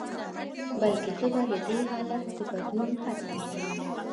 بلکې زه به د دې حالت د بدلون هڅه وکړم.